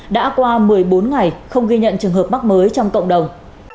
đã qua một mươi bốn ngày không ghi nhận trường hợp mắc mới trong cộng đồng